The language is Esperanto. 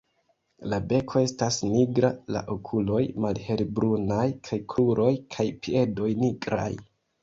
La beko estas nigra, la okuloj malhelbrunaj kaj kruroj kaj piedoj nigraj.